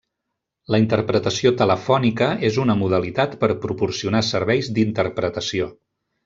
La interpretació telefònica és una modalitat per proporcionar serveis d'interpretació.